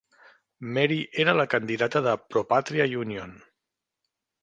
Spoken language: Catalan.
Meri era la candidata de Pro Patria Union.